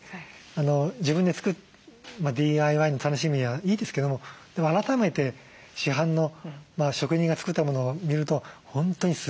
自分で作るＤＩＹの楽しみはいいですけどもでも改めて市販の職人が作ったものを見ると本当にすばらしいなって